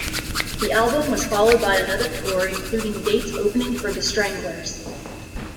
The album was followed by another tour including dates opening for The Stranglers.